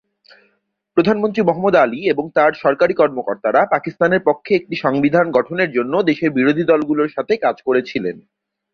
প্রধানমন্ত্রী মুহাম্মদ আলী এবং তাঁর সরকারী কর্মকর্তারা পাকিস্তানের পক্ষে একটি সংবিধান গঠনের জন্য দেশের বিরোধী দলগুলির সাথে কাজ করেছিলেন।